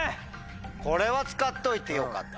これは使っといてよかった。